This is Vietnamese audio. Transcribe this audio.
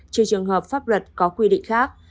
trừ trường hợp pháp luật có quy định khác